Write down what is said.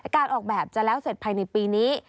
การออกแบบจะแล้วเสร็จภายในปีนี้